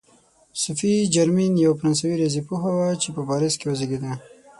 صوفي جرمین یوه فرانسوي ریاضي پوهه وه چې په پاریس کې وزېږېده.